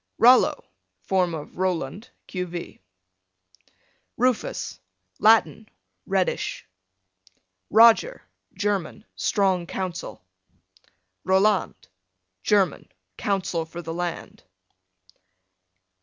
Rollo, form of Roland, q.v. Rufus, Latin, reddish. Roger, German, strong counsel. Roland, German, counsel for the land.